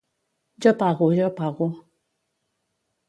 Jo pago, jo pago.